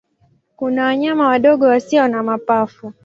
Kuna wanyama wadogo wasio na mapafu.